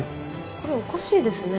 これおかしいですね